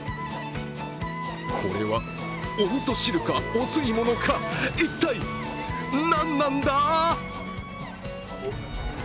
これはおみそ汁か、お吸い物か、一体何なんだ？